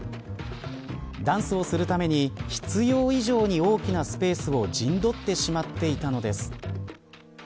ダンスをするために必要以上に大きなスペースを陣取ってしまっていたのです。